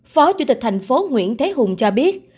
phó chủ tịch thành phố nguyễn thế hùng cho biết